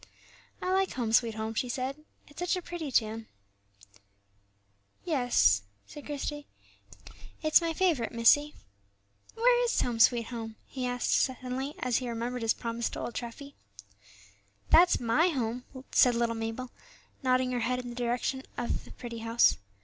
"I like 'Home, sweet Home,'" she said; "it's such a pretty tune." "Yes," said Christie, "it's my favorite, missie. Where is 'Home, sweet Home'?" he asked suddenly, as he remembered his promise to old Treffy. "That's my home," said little Mabel, nodding her head in the direction of the pretty house.